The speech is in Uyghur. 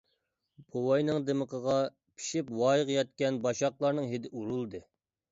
بوۋاينىڭ دىمىقىغا پىشىپ ۋايىگە يەتكەن باشاقلارنىڭ ھىدى ئۇرۇلدى.